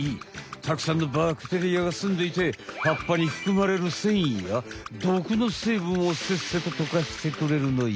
たくさんのバクテリアがすんでいて葉っぱにふくまれるせんいやどくのせいぶんをせっせととかしてくれるのよ。